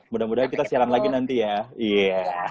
mudah mudahan kita siaran lagi nanti ya iya